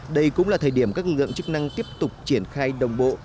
đây cũng là thời điểm các lực lượng chức năng tiếp tục triển khai đồng bộ